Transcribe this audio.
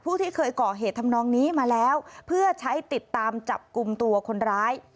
ที่เคยก่อเหตุทำนองนี้มาแล้วเพื่อใช้ติดตามจับกลุ่มตัวคนร้าย